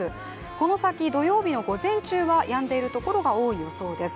この先、土曜日の午前中はやんでいるところが多い予想です。